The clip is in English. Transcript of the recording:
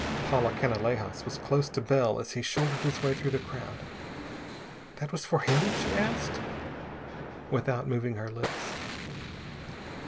Paula Canalejas was close to Bell as he shouldered his way through the crowd. "That was for him?" she asked, without moving her lips.